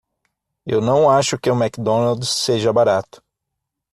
Eu não acho que o McDonald's seja barato.